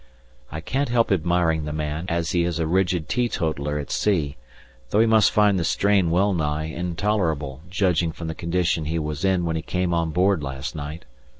I can't help admiring the man, as he is a rigid teetotaller at sea, though he must find the strain well nigh intolerable, judging from the condition he was in when he came on board last night.